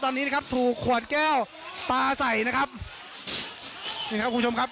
ตอนนี้นะครับถูกขวดแก้วปลาใส่นะครับนี่ครับคุณผู้ชมครับ